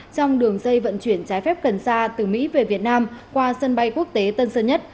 trong đường dây vận chuyển trái phép cần sa từ mỹ về việt nam qua sân bay quốc tế tân sơn nhất